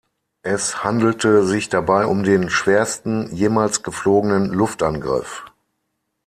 Es handelte sich dabei um den schwersten jemals geflogenen Luftangriff.